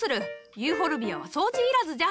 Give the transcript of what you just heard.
ユーフォルビアは掃除いらずじゃ。